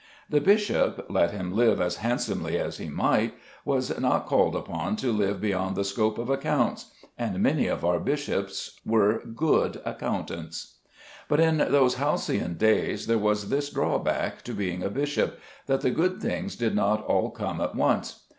The bishop, let him live as handsomely as he might, was not called upon to live beyond the scope of accounts; and many of our bishops were good accountants. But in those halcyon days, there was this drawback to being a bishop, that the good things did not all come at once.